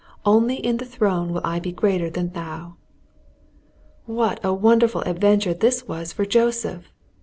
Only in the throne will I be greater than thou." What a wonderful adventure this was for Joseph!